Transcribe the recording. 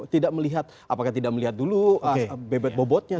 tidak melihat apakah tidak melihat dulu bebet bobotnya